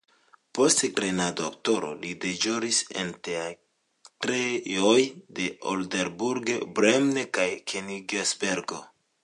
Post trejnado aktora li deĵoris en teatrejoj de Oldenburg, Bremen kaj Kenigsbergo.